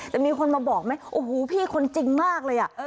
มีคนมาบอกไหมโอ้โหพี่คนจริงมากเลย